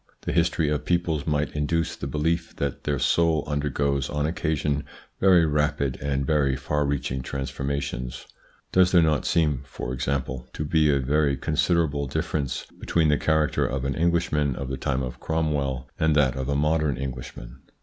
The history of peoples might induce the belief that their soul under goes on occasion very rapid and very far reaching transformations. Does there not seem, for example, 3 '7 i8 THE PSYCHOLOGY OF PEOPLES: to be a very considerable difference between the character of an Englishman of the time of Cromwell and that of a modern Englishman